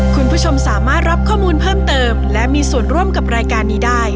คุณผู้ชมสามารถรับข้อมูลเพิ่มเติมและมีส่วนร่วมกับรายการนี้ได้